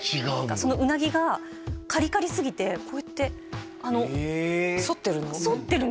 そのうなぎがカリカリすぎてこうやって反ってるの？